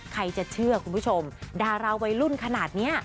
ใครจะเชื่อคุณผู้ชมดาราวัยรุ่นขนาดนี้